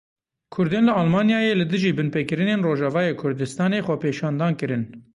Kurdên li Almanyayê li dijî binpêkirinên Rojavayê Kurdistanê xwepêşandan kirin.